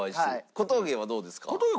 小峠はどうですか？